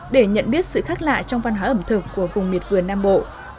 để nhận biết sự khác lạ trong văn hóa ẩm thực của vùng miệt vườn nam bộ